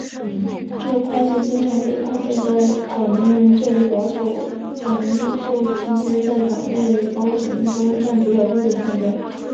这个派系经常被看作在卡梅伦作为保守党领袖期间在党内高层中占主导地位的象征。